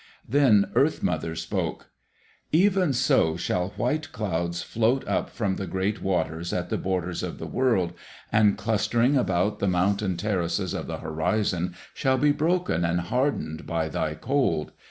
Then Earth mother spoke: "Even so shall white clouds float up from the great waters at the borders of the world, and clustering about the mountain terraces of the horizon, shall be broken and hardened by thy cold.